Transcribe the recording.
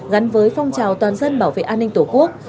gắn với phong trào toàn dân bảo vệ an ninh tổ quốc